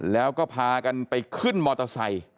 แล้วก็พากันไปขึ้นมอเตอร์ไซค์